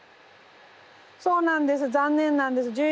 そうなんです残念なんです。